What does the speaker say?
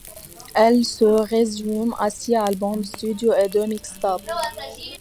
Elle se résume à six albums studio et deux mixtapes.